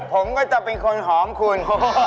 ผมก็จะเป็นคนหอมคุณ